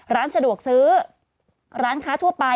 ร้านสะดวกซื้อร้านค้าทั่วไป